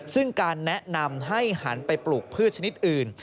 ซึ่งการแนะนำให้หันไปปลูกพืชชนิดอื่น